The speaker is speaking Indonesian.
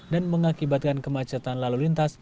dan mengakibatkan kemacetan lalu lintas